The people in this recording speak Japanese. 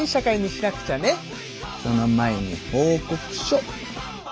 その前に報告書！